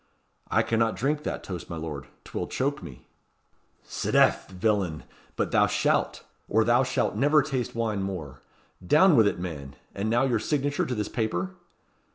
'" "I cannot drink that toast, my lord. 'Twill choke me." "'Sdeath! villain, but thou shalt, or thou shalt never taste wine more. Down with it, man! And now your signature to this paper?"